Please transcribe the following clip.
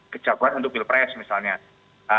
kejaguan untuk pilpres misalnya